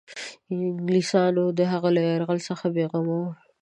انګلیسیانو د هغه له یرغل څخه بېغمه وه.